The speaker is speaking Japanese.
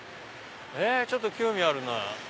ちょっと興味あるなぁ。